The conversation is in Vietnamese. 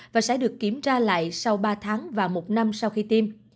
và sẽ được kiểm tra lại sau ba tháng và một năm sau khi tiêm